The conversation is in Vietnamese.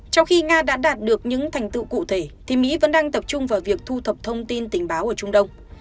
trong khi nga đã đạt được những thành tựu cụ thể thì mỹ vẫn đang tập trung vào việc thu thập thông tin tình báo ở trung đông